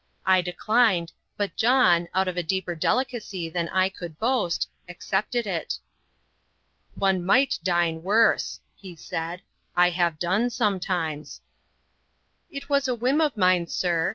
I declined; but John, out of a deeper delicacy than I could boast, accepted it. "One might dine worse," he said; "I have done, sometimes." "It was a whim of mine, sir.